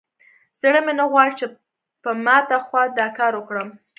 زړه مې نه غواړي چې په ماته خوا دا کار وکړم.